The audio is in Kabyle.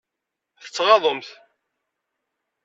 Tettɣaḍemt.